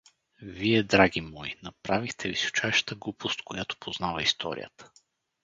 Вие, драги мой, направихте височайшата глупост, която познава историята.